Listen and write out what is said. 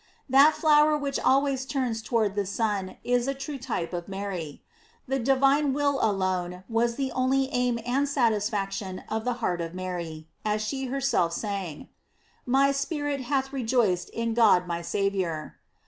That flower which always turns towards the sun is a true type of Mary. The divine will alone was the only aim and satisfaction of the heart of Mary, as she herself sang : ''My spirit hath re joiced in God my Saviour."